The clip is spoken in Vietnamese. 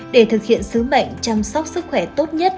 để thực hiện sứ mệnh chăm sóc sức khỏe tốt nhất